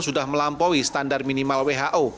sudah melampaui standar minimal who